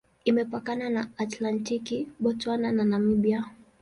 Imepakana na Atlantiki, Botswana na Namibia.